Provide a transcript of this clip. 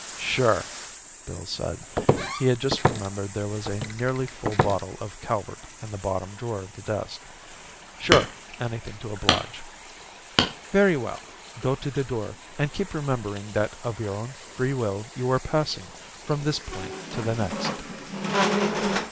"Sure," Bill said. He had just remembered there was a nearly full bottle of Calvert in the bottom drawer of the desk. "Sure. Anything to oblige." "Very well. Go to the door, and keep remembering that of your own free will you are passing from this plane to the next."